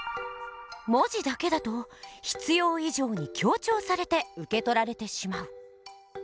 文字だけだと必要以上に強調されて受け取られてしまう。